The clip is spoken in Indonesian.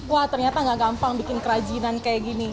wah ternyata gak gampang bikin kerajinan kayak gini